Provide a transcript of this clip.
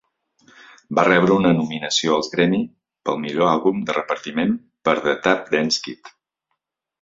Va rebre una nominació als Grammy pel millor àlbum de repartiment per "The Tap Dance Kid".